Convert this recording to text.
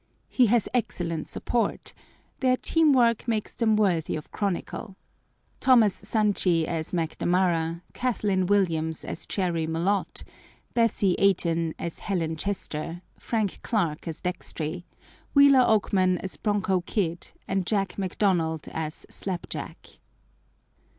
He has excellent support. Their team work makes them worthy of chronicle: Thomas Santschi as McNamara, Kathlyn Williams as Cherry Malotte, Bessie Eyton as Helen Chester, Frank Clark as Dextry, Wheeler Oakman as Bronco Kid, and Jack McDonald as Slapjack.